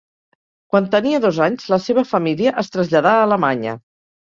Quan tenia dos anys la seva família es traslladà a Alemanya.